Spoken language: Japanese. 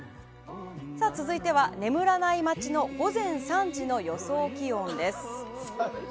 さあ、続いては眠らない街の午前３時の予想気温です。